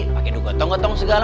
pakai dukotong kotong segala